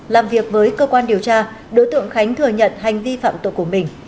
làm việc với cơ quan điều tra đối tượng khánh thừa nhận hành vi phạm tội của mình